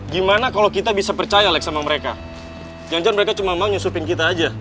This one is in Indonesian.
gimana kalau kita bisa percaya lek sama mereka jangan jangan mereka cuma mau nyusupin kita aja